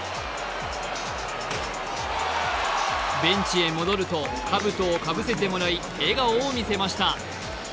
ベンチへ戻ると、かぶとをかぶせてもらい、笑顔を見せました。